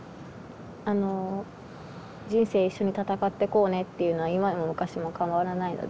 あの人生一緒に戦ってこうねっていうのは今も昔も変わらないので。